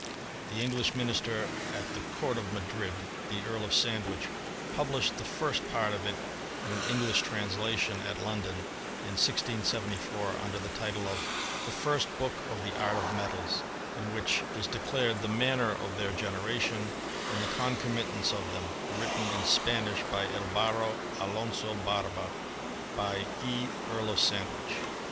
The English minister at the Court of Madrid, the Earl of Sandwich, published the first P^rt of it in an English translation at London, in 1674, under the title of The First Book of the Art ^ Metals, in which is declared the manner of their S^Deration, and the concomitants of them, written iQ Spanish by Albaro Alonzo Barba. By E. Earl of Sandwich.''